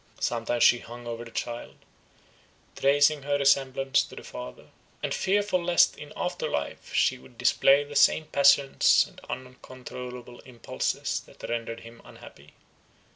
Sometimes she hung over her child, tracing her resemblance to the father, and fearful lest in after life she should display the same passions and uncontrollable impulses, that rendered him unhappy.